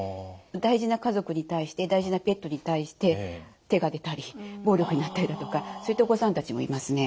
大事な家族に対して大事なペットに対して手が出たり暴力になったりだとかそういったお子さんたちもいますね。